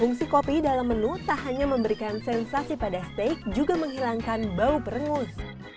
fungsi kopi dalam menu tak hanya memberikan sensasi pada steak juga menghilangkan bau perengus